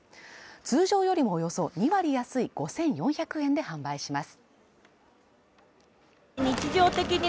通常よりもおよそ２割安い５４００円で販売します。